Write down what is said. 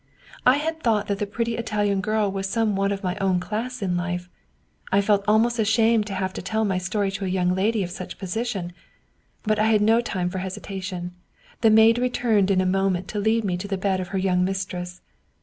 I had thought that the pretty Italian girl was some one of my own class in life; I felt almost ashamed to have to tell my story to a young lady of such position. But I had no time for hesitation; the maid re turned in a moment to lead me to the bed of her young mistress.